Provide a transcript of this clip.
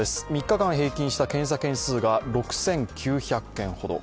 ３日間平均した検査件数が６９００件ほど。